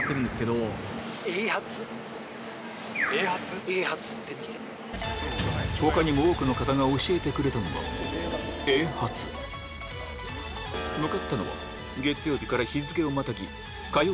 続いて向かったのは他にも多くの方が教えてくれたのが向かったのは月曜日から日付をまたぎ火曜